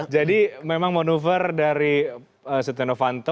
jadi memang manuver dari setiano fanto